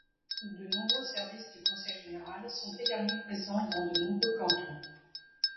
De nombreux services du Conseil général sont également présents dans de nombreux cantons.